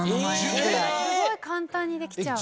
すごい簡単にできちゃう。